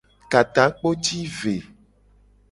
Ka takpo ci ve.